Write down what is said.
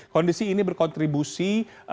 kondisi ini berkontribusi